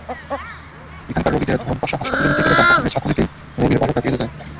এখানকার রোগীদের ধরমপাশা হাসপাতালে নিতে গেলে যানবাহনের ঝাঁকুনিতেই রোগীর বারোটা বেজে যায়।